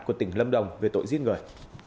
của tỉnh lâm đồng về tội giết người